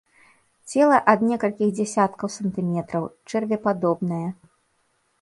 Цела ад некалькіх дзесяткаў сантыметраў, чэрвепадобнае.